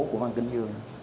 của văn kính dương